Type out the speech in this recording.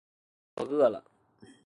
我饿了